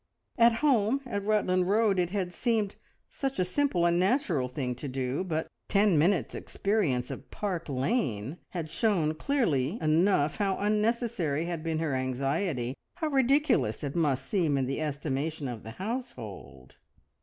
At home at Rutland Road it had seemed such a simple and natural thing to do, but ten minutes' experience of Park Lane had shown clearly enough how unnecessary had been her anxiety, how ridiculous it must seem in the estimation of the household!